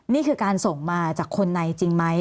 นี่คือการส่งมาจากคนในจริงไหม